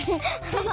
ハハハ！